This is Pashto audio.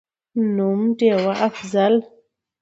نوم: ډېوه«افضل»